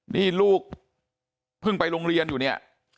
นี่ลูกเพิ่งไปโรงเรียนอยู่เนี่ย